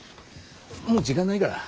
もう時間ないから。